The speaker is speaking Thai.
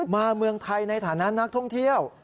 เมืองไทยในฐานะนักท่องเที่ยว